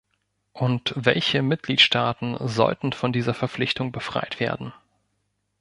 Und welche Mitgliedstaaten sollten von dieser Verpflichtung befreit werden?